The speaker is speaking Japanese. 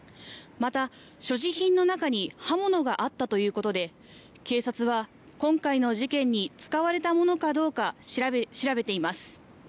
また、所持品の中に刃物があったということで、警察は、今回の事件に使われたものかどうか調べています。